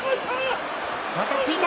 また突いた。